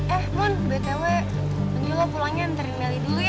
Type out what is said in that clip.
eh mun baiknya gue pergi lo pulangnya nanti gue meli dulu ya